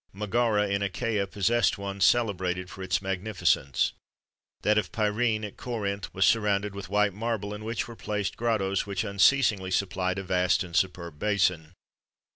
Megara, in Achaia, possessed one celebrated for its magnificence. That of Pirene, at Corinth, was surrounded with white marble, in which were placed grottoes which unceasingly supplied a vast and superb basin.